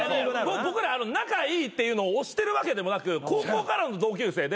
僕ら仲いいっていうのを押してるわけでもなく高校からの同級生で。